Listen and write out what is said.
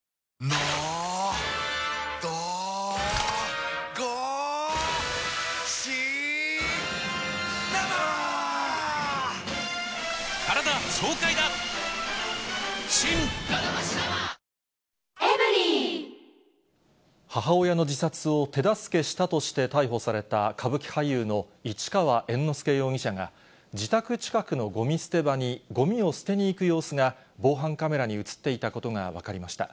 「のどごし生」母親の自殺を手助けしたとして逮捕された、歌舞伎俳優の市川猿之助容疑者が、自宅近くのごみ捨て場にごみを捨てに行く様子が、防犯カメラに写っていたことが分かりました。